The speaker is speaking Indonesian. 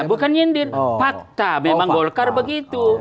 bukan nyindir fakta memang golkar begitu